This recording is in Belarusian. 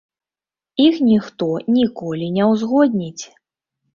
Іх ніхто ніколі не ўзгодніць.